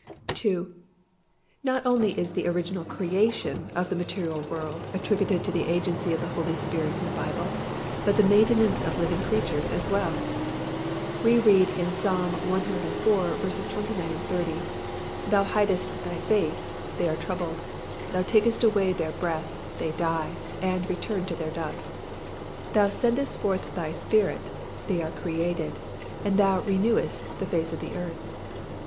II. Not only is the original creation of the material universe attributed to the agency of the Holy Spirit in the Bible but the maintenance of living creatures as well. We read in Ps. civ. 29, 30, "Thou hidest Thy face, they are troubled: Thou takest away their breath, they die, and return to their dust. Thou sendest forth Thy Spirit, they are created: and Thou renewest the face of the earth."